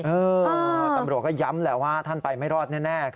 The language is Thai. เออตำรวจก็ย้ำแหละว่าท่านไปไม่รอดแน่